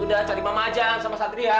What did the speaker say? udah cari mama ajang sama satria